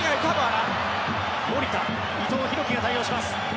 守田、伊藤洋輝が対応します。